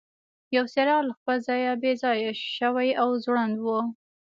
یو څراغ له خپل ځایه بې ځایه شوی او ځوړند و.